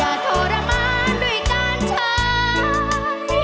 แต่วจากกลับมาท่าน้าที่รักอย่าช้านับสิสามเชย